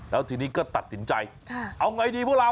แล้วทีนี้ก็ตัดสินใจเอาไงดีพวกเรา